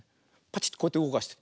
パチッてこうやってうごかして。